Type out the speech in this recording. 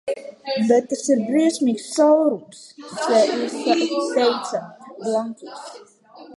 "But it's an awful hole," he said blankly.